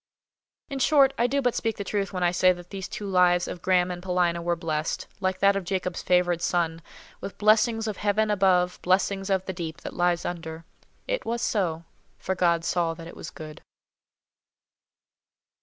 In short, I do but speak the truth when I say that these two lives of Graham and Paulina were blessed, like that of Jacob's favoured son, with "blessings of Heaven above, blessings of the deep that lies under." It was so, for God saw that it was good.